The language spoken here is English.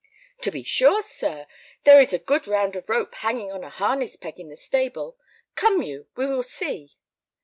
"To be sure, sir, there is a good round of rope hanging on a harness peg in the stable. Come you—we will see."